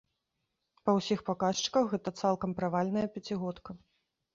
Па ўсіх паказчыках гэта цалкам правальная пяцігодка.